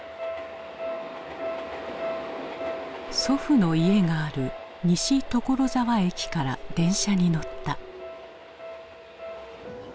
祖父の家がある西所沢駅から電車に乗った。